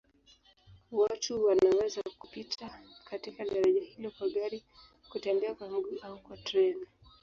Watu wanaweza kupita katika daraja hilo kwa gari, kutembea kwa miguu au kwa treni.